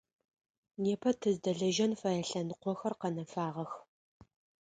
Непэ тыздэлэжьэн фэе лъэныкъохэр къэнэфагъэх.